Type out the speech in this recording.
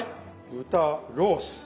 豚ロース。